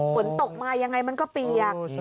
ฝนตกมายังไงมันก็เปียก